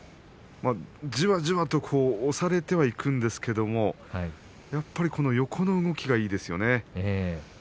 じわじわと押されてはいくんですけれどもやっぱり横の動きがいいですよね。